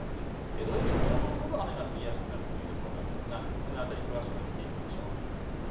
土曜日後半ほど雨が降りやすくなるという予想なんですがこの辺り詳しく見ていきましょう。